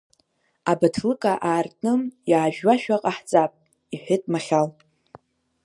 Абаҭлыка аарты, иаажәуашәа ҟаҳҵап, — иҳәеит Махьал.